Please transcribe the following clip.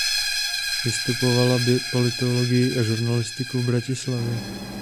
Vystudovala politologii a žurnalistiku v Bratislavě.